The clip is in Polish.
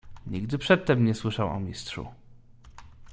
"Nigdy przedtem nie słyszał o Mistrzu."